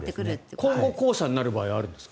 今後、後者になる場合はあるんですか？